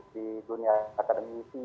di dunia akademisi